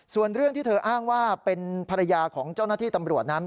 ส่วนเรื่องที่เธออ้างว่าเป็นภรรยาของเจ้าหน้าที่ตำรวจนั้น